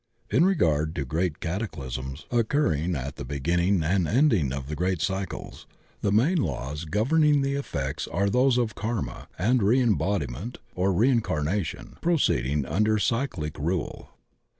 In regard to great cataclysms occurring at the be ginning and endmg of the great cycles, the main laws governing the effects are those of Karma and Re embodiment, or Reincarnation, proceeding under cy clic rule.